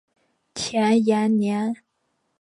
田延年。